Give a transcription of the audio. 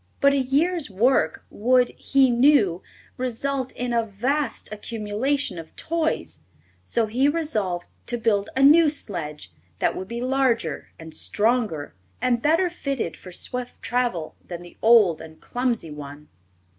But a year's work would, he knew, result in a vast accumulation of toys, so he resolved to build a new sledge that would be larger and stronger and better fitted for swift travel than the old and clumsy one.